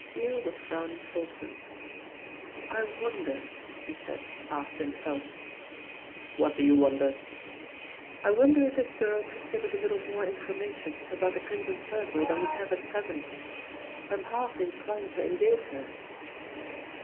Yale was frowning thoughtfully. "I wonder," he said, half to himself. "What do you wonder?" "I wonder if this girl could give us a little more information about the Crimson Circle than we have at present. I'm half inclined to engage her."